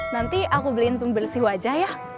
nanti aku beliin pembersih wajah ya